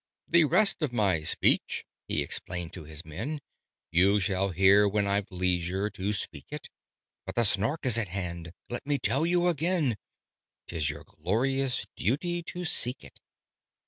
"The rest of my speech" (he explained to his men) "You shall hear when I've leisure to speak it. But the Snark is at hand, let me tell you again! 'Tis your glorious duty to seek it!